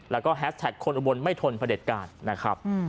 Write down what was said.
แล้วก็แฮสแท็กคนอุบลไม่ทนพระเด็จการนะครับ